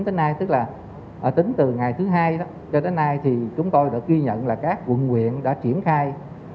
tới nay tức là tính từ ngày thứ hai đó cho đến nay thì chúng tôi đã ghi nhận là các quận quyện đã triển khai